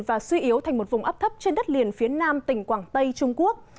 và suy yếu thành một vùng áp thấp trên đất liền phía nam tỉnh quảng tây trung quốc